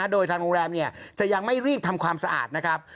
โดยทางโรงแรมจะยังไม่รีบทำความสะอาดนะครับ